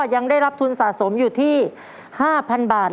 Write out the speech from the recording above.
ยังได้รับทุนสะสมอยู่ที่๕๐๐๐บาท